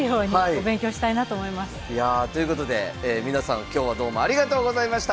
いやということで皆さん今日はどうもありがとうございました。